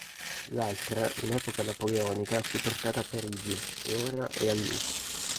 L'altra in epoca napoleonica fu portata a Parigi e ora è al Louvre.